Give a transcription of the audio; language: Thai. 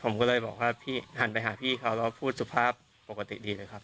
ผมก็เลยบอกว่าพี่หันไปหาพี่เขาแล้วพูดสุภาพปกติดีเลยครับ